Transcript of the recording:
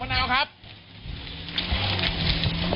มะนาวครับ